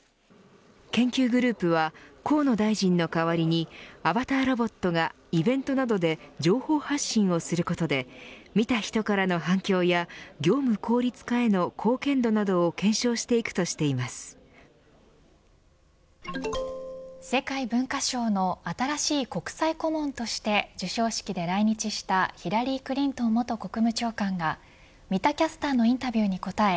研究グループは河野大臣の代わりにアバターロボットがイベントなどで情報発信をすることで見た人からの反響や業務効率化への貢献度などを世界文化賞の新しい国際顧問として授賞式で来日したヒラリー・クリントン元国務長官が三田キャスターのインタビューに答え